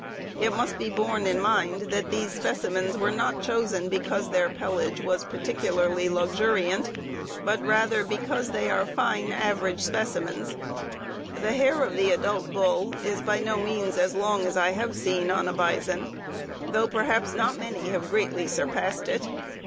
It must be borne in mind that these specimens were not chosen because their pelage was particularly luxuriant, but rather because they are fine average specimens. The hair of the adult bull is by no means as long as I have seen on a bison, although perhaps not many have greatly surpassed it.